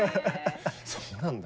そうなんだ。